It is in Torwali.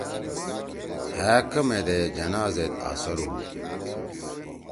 ہأ کمَے دے جناح زید اثر ہُو